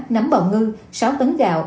nấm bào ngư sáu tấn gạo